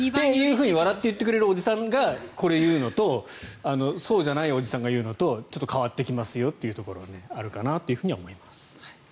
ふうに笑って言ってくれるおじさんがこれを言うのとそうじゃないおじさんが言うのとちょっと変わってきますよというところはあるかなというふうには思います。